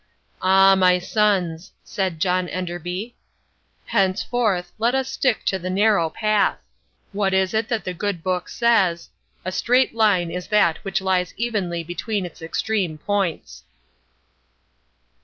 "Ah, my sons," said John Enderby, "henceforth let us stick to the narrow path. What is it that the Good Book says: 'A straight line is that which lies evenly between its extreme points.